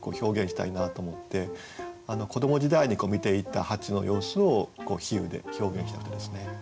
子ども時代に見ていた蜂の様子を比喩で表現したくてですね。